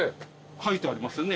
描いてありますね。